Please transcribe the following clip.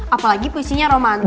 apalagi puisinya romantis